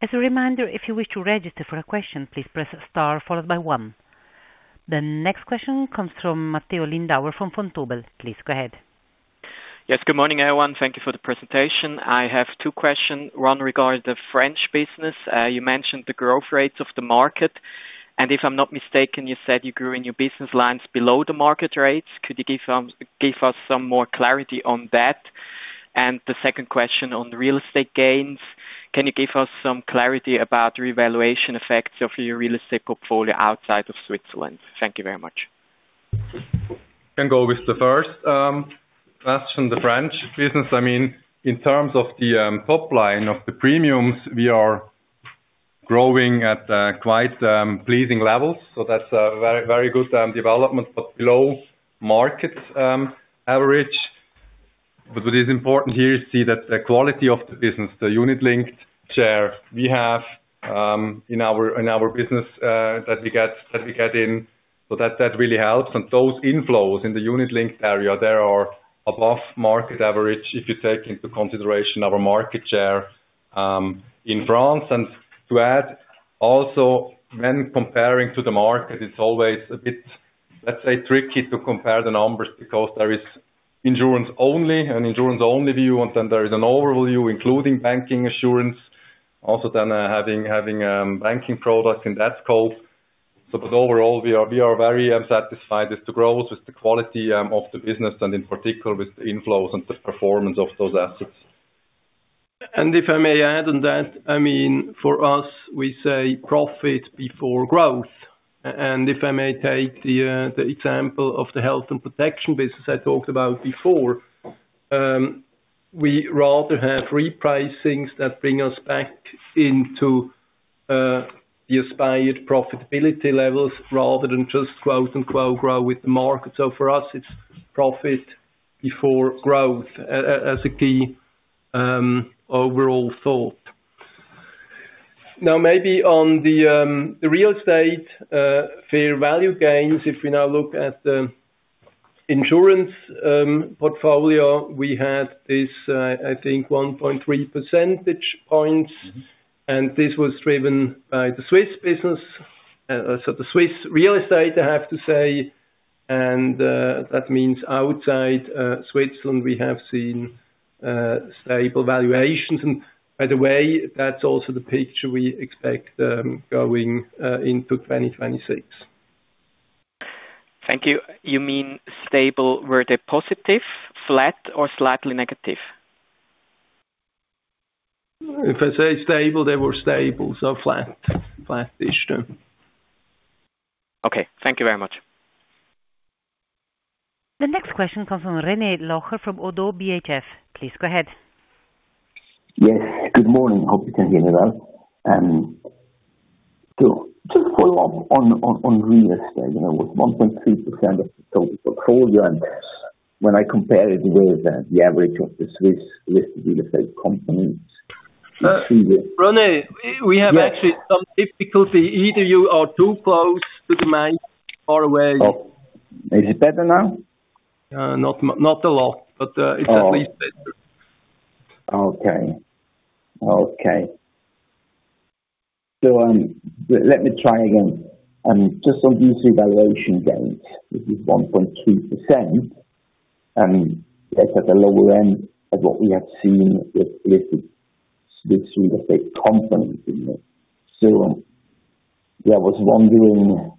As a reminder, if you wish to register for a question, please press star followed by one. The next question comes from Matteo Lindauer from Vontobel. Please go ahead. Yes, good morning, everyone. Thank you for the presentation. I have two questions. One regarding the French business. You mentioned the growth rates of the market. If I'm not mistaken, you said you grew in your business lines below the market rates. Could you give us some more clarity on that? The second question on real estate gains, can you give us some clarity about revaluation effects of your real estate portfolio outside of Switzerland? Thank you very much. Can go with the first question, the French business. I mean, in terms of the top line of the premiums, we are growing at quite pleasing levels. That's a very, very good development, but below market average. What is important here is to see that the quality of the business, the unit-linked share we have in our business that we get in, so that really helps. Those inflows in the unit-linked area, they are above market average, if you take into consideration our market share in France. To add also, when comparing to the market, it's always a bit, let's say, tricky to compare the numbers because there is insurance only, an insurance-only view, and then there is an overview including bancassurance, also then, having banking products in that scope. But overall, we are very satisfied with the growth, with the quality of the business, and in particular with the inflows and the performance of those assets. If I may add on that, I mean, for us, we say profit before growth. If I may take the example of the Health and Protection business I talked about before, we rather have repricings that bring us back into the aspired profitability levels rather than just growth and co-grow with the market. For us, it's profit before growth as a key overall thought. Now maybe on the real estate fair value gains. If we now look at the insurance portfolio, we have this, I think 1.3 percentage points, and this was driven by the Swiss business. So the Swiss real estate, I have to say. That means outside Switzerland, we have seen stable valuations. By the way, that's also the picture we expect going into 2026. Thank you. You mean stable? Were they positive, flat, or slightly negative? If I say stable, they were stable. Flat. Flattish, yeah. Okay. Thank you very much. The next question comes from René Locher from ODDO BHF. Please go ahead. Yes. Good morning. Hope you can hear me well. So just to follow up on real estate, you know, with 1.3% of the total portfolio. When I compare it with the average of the Swiss listed real estate companies René, we have actually some difficulty. Either you are too close to the mic or away. Oh. Is it better now? Not a lot, but it's at least better. Let me try again. Just on UC valuation gains, which is 1.2%, and that's at the lower end of what we have seen with Swiss real estate companies, you know. Yeah, I was wondering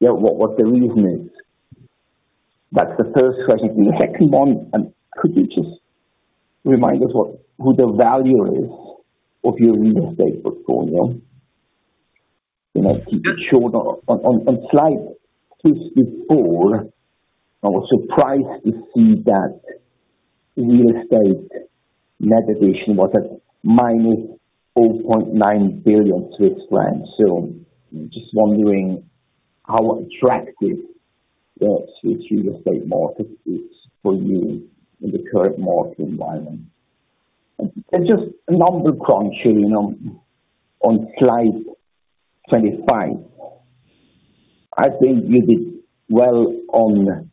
what the reason is. That's the first question. The second one, could you just remind us what the value is of your real estate portfolio? You know, to be sure. On Slide 54, I was surprised to see that real estate net additions was at -4.9 billion Swiss francs. Just wondering how attractive the Swiss real estate market is for you in the current market environment. Just a number crunching on Slide 25. I think you did well on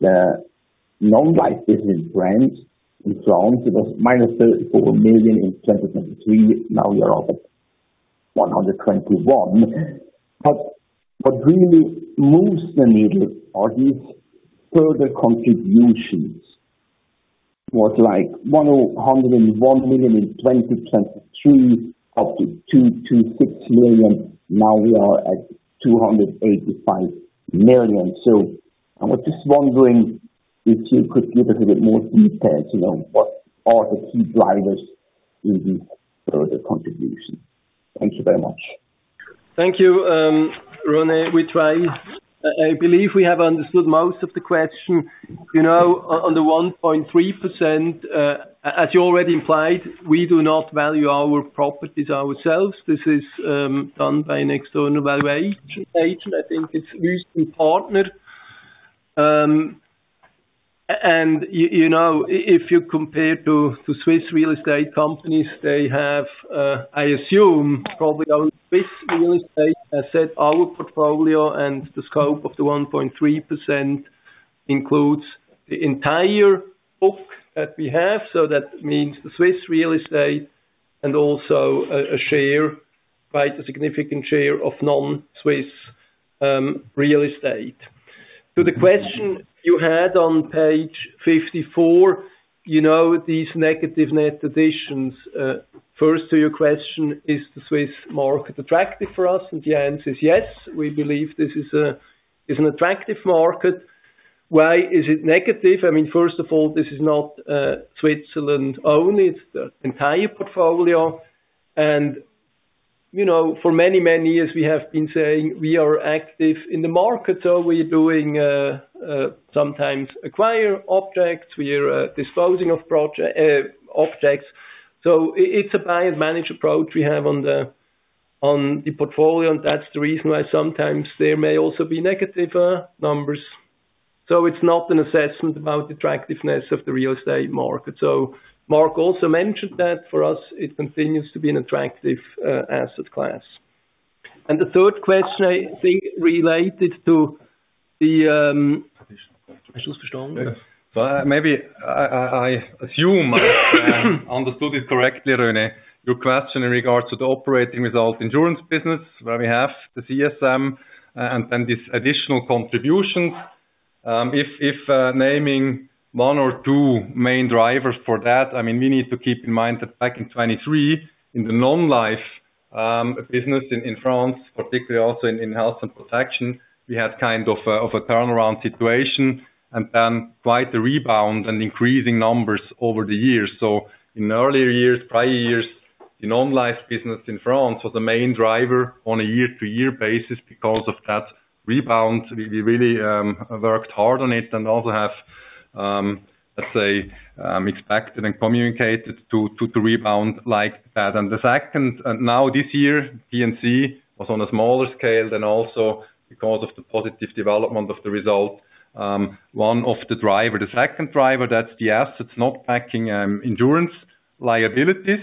the non-life business branch in France. It was EUR -34 million in 2023. Now you're up at 121. What really moves the needle are these further contributions, was like 101 million in 2023, up to 226 million. Now we are at 285 million. I was just wondering if you could give us a bit more details, you know, what are the key drivers in this further contribution. Thank you very much. Thank you, René. We try. I believe we have understood most of the question. You know, on the 1.3%, as you already implied, we do not value our properties ourselves. This is done by an external valuation agent. I think it's Wüest Partner. And you know, if you compare to Swiss real estate companies, they have, I assume, probably our Swiss real estate has set our portfolio and the scope of the 1.3% includes the entire book that we have. So that means the Swiss real estate and also a share, quite a significant share of non-Swiss real estate. To the question you had on page 54, you know, these negative net additions. First to your question, is the Swiss market attractive for us? The answer is yes. We believe this is an attractive market. Why is it negative? I mean, first of all, this is not Swiss-owned. It's the entire portfolio. You know, for many, many years we have been saying we are active in the market, so we're doing sometimes acquire objects. We are disposing of objects. It's a buy and manage approach we have on the portfolio, and that's the reason why sometimes there may also be negative numbers. It's not an assessment about attractiveness of the real estate market. Marco also mentioned that for us it continues to be an attractive asset class. The third question I think related to the... Yes. Maybe I assume I understood it correctly, René. Your question in regards to the operating result insurance business, where we have the CSM and these additional contributions. If naming one or two main drivers for that, I mean, we need to keep in mind that back in 2023, in the non-life business in France particularly also in Health and Protection, we had kind of a turnaround situation and then quite the rebound and increasing numbers over the years. In the earlier years, prior years, the non-life business in France was the main driver on a year-to-year basis because of that rebound. We really worked hard on it and also have, let's say, expected and communicated to rebound like that. Now this year, P&C was on a smaller scale than also because of the positive development of the result. One of the drivers, the second driver, that's the assets backing insurance liabilities.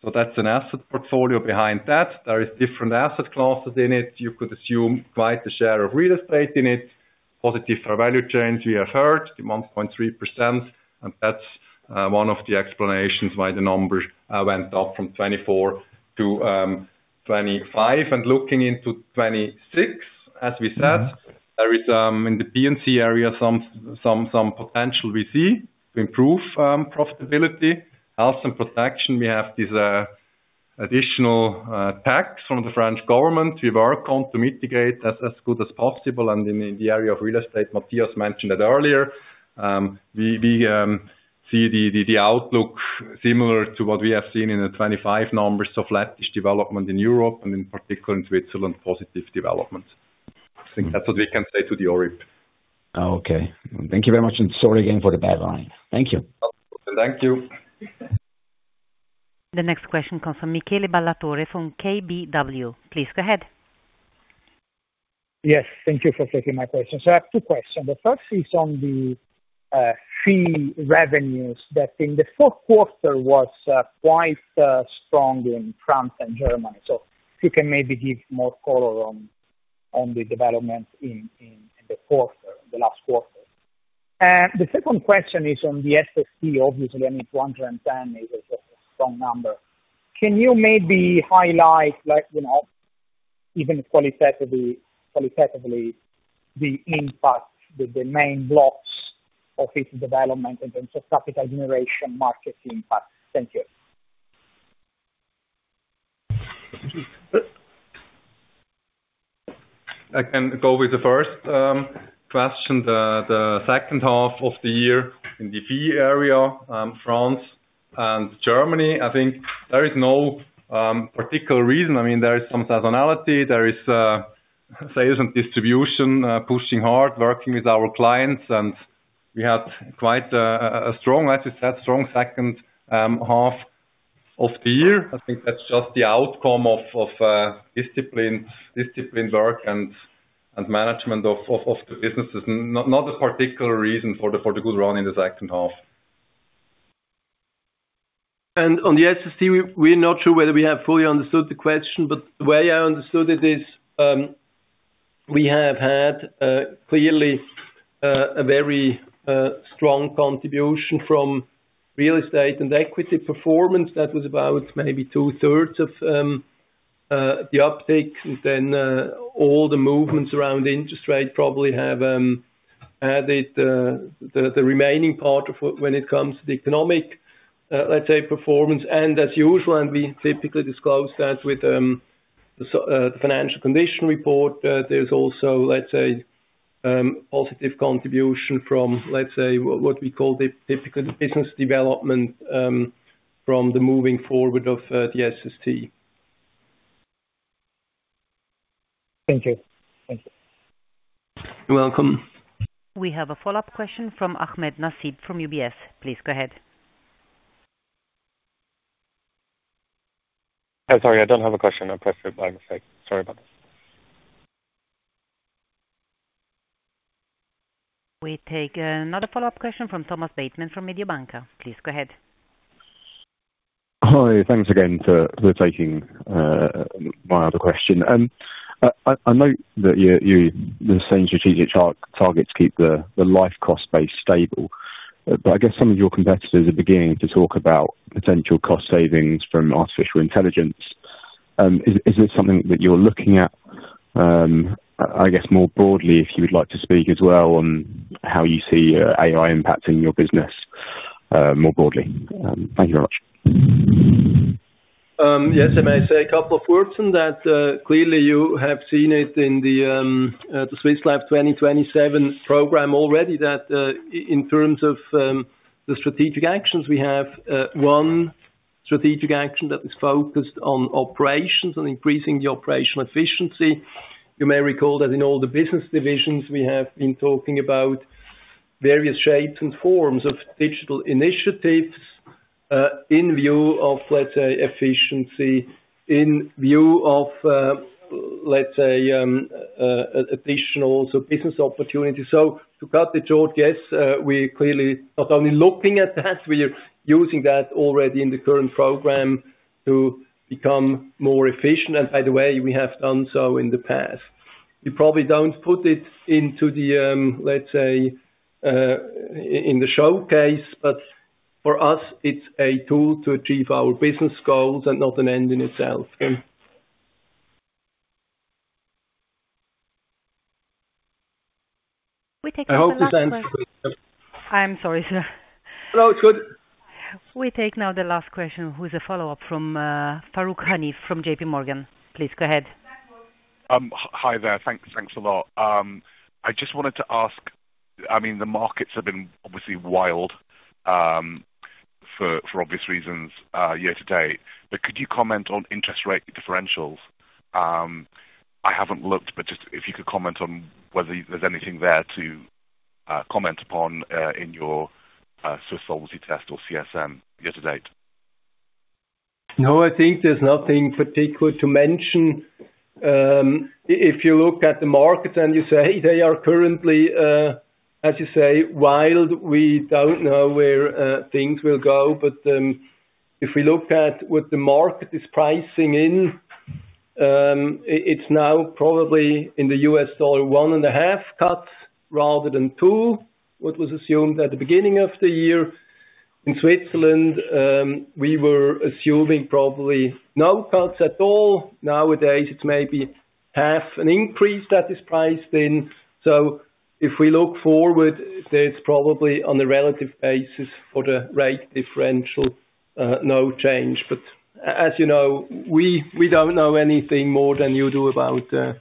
So that's an asset portfolio behind that. There are different asset classes in it. You could assume quite a share of real estate in it. Positive fair value change, we had 1.3%, and that's one of the explanations why the numbers went up from 2024 to 2025. Looking into 2026, as we said, there is in the P&C area some potential we see to improve profitability. Health and Protection, we have this additional tax from the French government we work on to mitigate as good as possible. In the area of real estate, Matthias mentioned it earlier, we see the outlook similar to what we have seen in the 2025 numbers of flattish development in Europe, and in particular in Switzerland, positive developments. I think that's what we can say to the audience. Oh, okay. Thank you very much and sorry again for the bad line. Thank you. Thank you. The next question comes from Michele Ballatore, from KBW. Please go ahead. Yes, thank you for taking my question. I have two questions. The first is on the fee revenues that in the fourth quarter was quite strong in France and Germany. If you can maybe give more color on the development in the quarter, the last quarter. The second question is on the SST. Obviously, I mean, 210 is a strong number. Can you maybe highlight like, you know, even qualitatively the impact, the main blocks of this development in terms of capital generation, market impact? Thank you. I can go with the first question. The second half of the year in the fee area, France and Germany, I think there is no particular reason. I mean, there is some seasonality. There is sales and distribution pushing hard, working with our clients. We had quite a strong, as you said, strong second half of the year. I think that's just the outcome of discipline work and management of the businesses. Not a particular reason for the good run in the second half. On the SST, we're not sure whether we have fully understood the question, but the way I understood it is, we have had clearly a very strong contribution from real estate and equity performance. That was about maybe two-thirds of the uptake. All the movements around interest rates probably have added the remaining part of when it comes to the economic, let's say performance. As usual, we typically disclose that with the financial condition report. There's also, let's say, positive contribution from, let's say, what we call the typical business development from the moving forward of the SST. Thank you. Thank you. You're welcome. We have a follow-up question from Ahmed Nasib from UBS. Please go ahead. I'm sorry. I don't have a question. I pressed it by mistake. Sorry about that. We take another follow-up question from Thomas Bateman from Mediobanca. Please go ahead. Hi. Thanks again for taking my other question. I know that you're the same strategic target to keep the life cost base stable. I guess some of your competitors are beginning to talk about potential cost savings from artificial intelligence. Is it something that you're looking at? I guess more broadly, if you would like to speak as well on how you see AI impacting your business, more broadly. Thank you very much. Yes, I may say a couple of words in that. Clearly, you have seen it in the Swiss Life 2027 program already, that in terms of the strategic actions we have, one strategic action that is focused on operations and increasing the operational efficiency. You may recall that in all the business divisions we have been talking about various shapes and forms of digital initiatives in view of, let's say, efficiency, in view of, let's say, additional business opportunities. To cut it short, yes, we're clearly not only looking at that, we are using that already in the current program to become more efficient. By the way, we have done so in the past. You probably don't put it into the, let's say, in the showcase, but for us it's a tool to achieve our business goals and not an end in itself. We take now the last one. I hope this answers. I am sorry, sir. No, it's good. We take now the last question, who is a follow-up from, Farooq Hanif from JP Morgan. Please go ahead. Hi there. Thanks a lot. I just wanted to ask, I mean, the markets have been obviously wild for obvious reasons year-to-date. Could you comment on interest rate differentials? I haven't looked, but just if you could comment on whether there's anything there to comment upon in your Swiss Solvency Test or CSM year-to-date. No, I think there's nothing particular to mention. If you look at the market and you say they are currently, as you say, wild, we don't know where things will go. If we look at what the market is pricing in, it's now probably in the US dollar one and a half cuts rather than two, what was assumed at the beginning of the year. In Switzerland, we were assuming probably no cuts at all. Nowadays, it's maybe half of an increase that is priced in. If we look forward, it's probably on the relative basis for the rate differential, no change. As you know, we don't know anything more than you do about the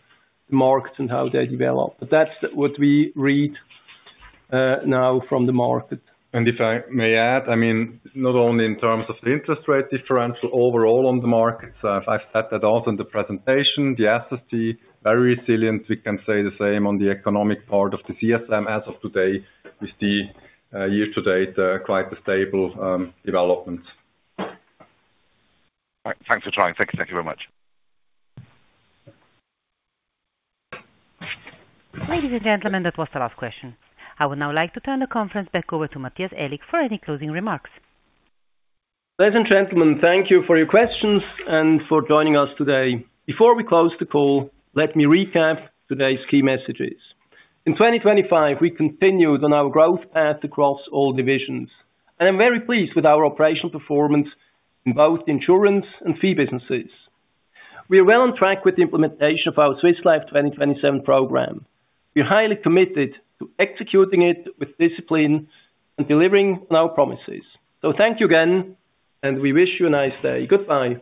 markets and how they develop. That's what we read now from the market. If I may add, I mean, not only in terms of the interest rate differential overall on the markets, I've said that all in the presentation. The SST, very resilient. We can say the same on the economic part of the CSM as of today with the year-to-date quite a stable development. All right. Thanks for trying. Thank you. Thank you very much. Ladies and gentlemen, that was the last question. I would now like to turn the conference back over to Matthias Aellig for any closing remarks. Ladies and gentlemen, thank you for your questions and for joining us today. Before we close the call, let me recap today's key messages. In 2025, we continued on our growth path across all divisions, and I'm very pleased with our operational performance in both insurance and fee businesses. We are well on track with the implementation of our Swiss Life 2027 program. We're highly committed to executing it with discipline and delivering on our promises. Thank you again, and we wish you a nice day. Goodbye.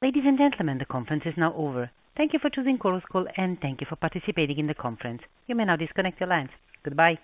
Ladies and gentlemen, the conference is now over. Thank you for choosing Chorus Call, and thank you for participating in the conference. You may now disconnect your lines. Goodbye.